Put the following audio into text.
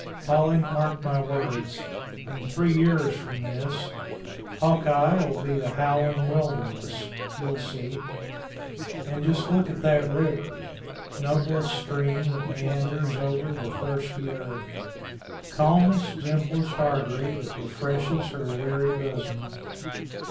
Polly, mark my words in three years from this, Hawkeye'll be a howling wilderness. You'll see. And just look at that river noblest stream that meanders over the thirsty earth! calmest, gentlest artery that refreshes her weary bosom!